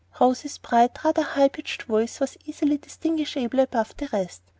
Rose's bright, rather high pitched voice was easily distinguishable above the rest.